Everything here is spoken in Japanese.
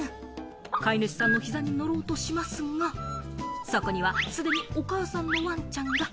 飼い主さんの膝に乗ろうとしますが、そこには既にお母さんのワンちゃんが。